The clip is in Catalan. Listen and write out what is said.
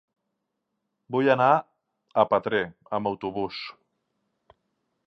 Vull anar a Petrer amb autobús.